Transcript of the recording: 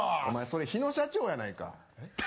お前それ日野社長やないか。